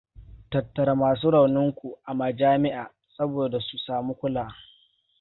Tattara masu raunin ku a majami'a saboda su samu kula.